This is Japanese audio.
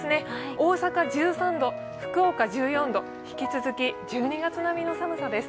大阪１３度、福岡１４度、引き続き１２月並みの寒さです。